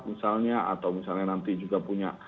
misalnya atau misalnya nanti juga punya